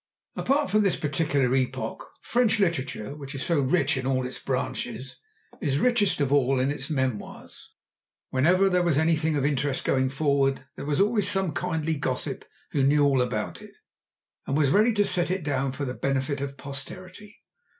Apart from this particular epoch, French literature, which is so rich in all its branches, is richest of all in its memoirs. Whenever there was anything of interest going forward there was always some kindly gossip who knew all about it, and was ready to set it down for the benefit of posterity.